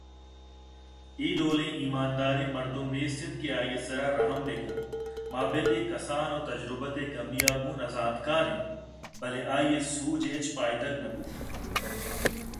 اے ڈولیں ایمانداریں مردمے نیست اِنت کہ آئی ءِ سرا رحم بہ کنت مابلئے کسان ءُتجربت ءِ کمی ءَگوں نہ زانت کاریں بلئے آئی ءِ سوج ءِ ہچ پائدگ نہ بوت